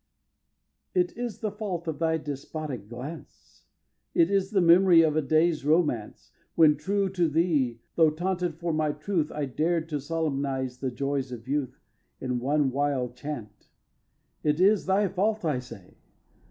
viii. It is the fault of thy despotic glance, It is the memory of a day's romance When, true to thee, though taunted for my truth, I dared to solemnise the joys of youth In one wild chant. It is thy fault, I say!